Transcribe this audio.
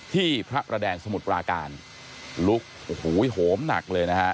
ที่พระระแดงสมุดปราการลุกโหมหนักเลยนะฮะ